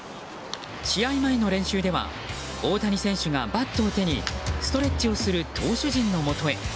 試合前の練習では大谷選手がバットを手にストレッチをする投手陣のもとへ。